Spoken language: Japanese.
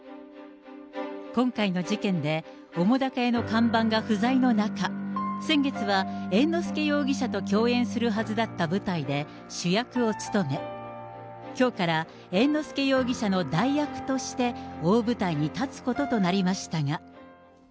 今回の事件で澤瀉屋の看板が不在の中、先月は猿之助容疑者と共演するはずだった舞台で主役を勤め、きょうから猿之助容疑者の代役として、大舞台に立つこととなりましたが。